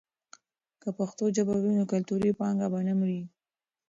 که پښتو ژبه وي، نو کلتوري پانګه به نه مړېږي.